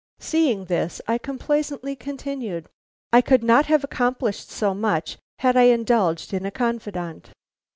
Seeing this, I complacently continued: "I could not have accomplished so much had I indulged in a confidant.